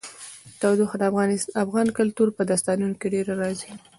تودوخه د افغان کلتور په داستانونو کې ډېره راځي.